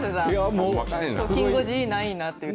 きん５時ないなって。